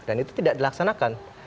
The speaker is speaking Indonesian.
dan itu tidak dilaksanakan